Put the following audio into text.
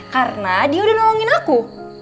karena dia udah nolongin aku